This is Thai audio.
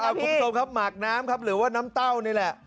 สมครับฉันมะน้ำครับเป็นน้ำเต้านี่แหละ